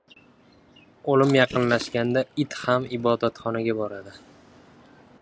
• O‘lim yaqinlashganda it ham ibodatxonaga boradi.